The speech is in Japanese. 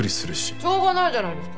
しょうがないじゃないですか。